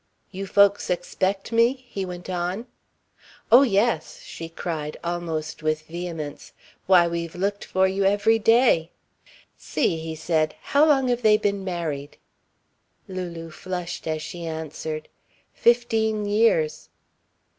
"You folks expect me?" he went on. "Oh, yes," she cried, almost with vehemence. "Why, we've looked for you every day." "'See," he said, "how long have they been married?" Lulu flushed as she answered: "Fifteen years."